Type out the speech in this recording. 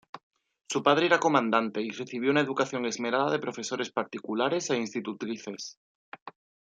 Su padre era comandante y recibió una educación esmerada de profesores particulares e institutrices.